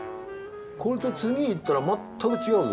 これと次いったら全く違うぞ。